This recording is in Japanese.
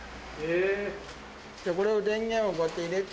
これを電源をこうやって入れて。